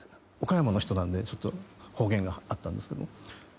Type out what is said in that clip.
岡山の人なんでちょっと方言があったんですけど。